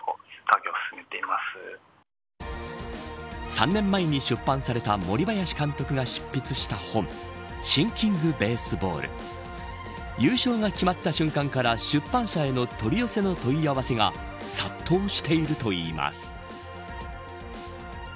３年前に出版された森林監督が執筆した本ＴｈｉｎｋｉｎｇＢａｓｅｂａｌｌ優勝が決まった瞬間から出版社への取り寄せの問い合わせが殺到しているといいます。